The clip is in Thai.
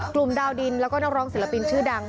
ดาวดินแล้วก็นักร้องศิลปินชื่อดัง